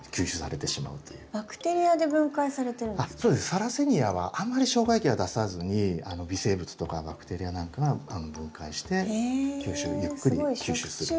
サラセニアはあんまり消化液は出さずに微生物とかバクテリアなんかが分解してゆっくり吸収する。